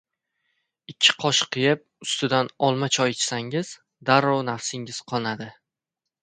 Ikki qoshiq yeb, ustidan olma choy ichsangiz, darrov nafsingiz qonadi.